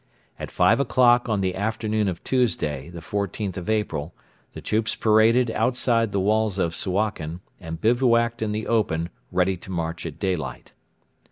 At five o'clock on the afternoon of Tuesday, the 14th of April, the troops paraded outside the walls of Suakin, and bivouacked in the open ready to march at daylight.